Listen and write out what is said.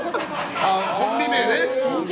コンビ名ね！